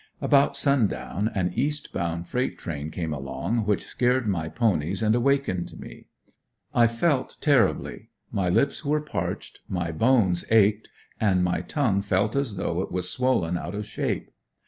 About sundown an east bound freight train came along, which scared my ponies and awakened me. I felt terribly; my lips were parched, my bones ached and my tongue felt as though it was swollen out of shape.